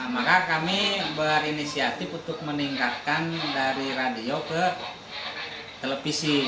maka kami berinisiatif untuk meningkatkan dari radio ke televisi